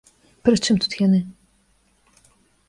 Пры чым тут яны?